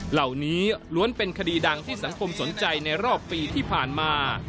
เหล่านี้ล้วนเป็นคดีดังที่สังคมสนใจในรอบปีที่ผ่านมา